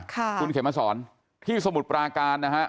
คุณเขมสอนที่สมุทรปราการนะฮะ